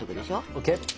ＯＫ。